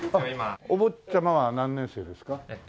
お坊ちゃまは何年生ですか？